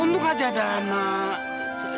untung aja ada anak